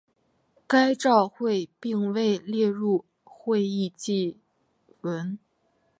该照会并未列入会议记文。